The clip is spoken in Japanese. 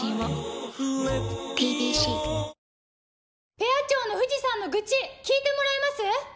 ペア長の藤さんの愚痴聞いてもらえます？